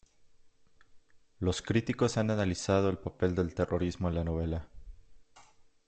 Los críticos han analizado el papel del terrorismo en la novela.